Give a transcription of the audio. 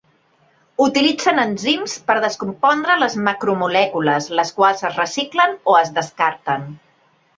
Utilitzen enzims per descompondre les macromolècules, les quals es reciclen o es descarten.